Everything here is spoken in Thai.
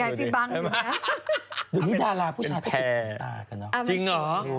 เดี๋ยวนี้ดาราผู้ชายมีขนตา